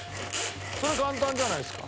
それ簡単じゃないですか。